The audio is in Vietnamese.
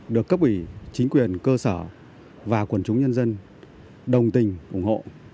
được cấp ủy chính quyền cơ sở và quần chúng nhân dân đồng tình ủng hộ